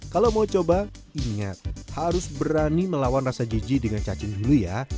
kalau mau coba ingat harus berani melawan rasa jiji dengan cacing dulu ya